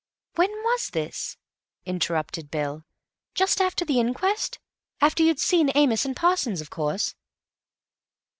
"When was this?" interrupted Bill. "Just after the inquest—after you'd seen Amos and Parsons, of course?"